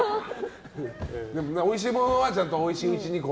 おいしいものはちゃんとおいしいうちに。